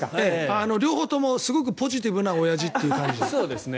両方ともすごくポジティブなおやじっていう感じ。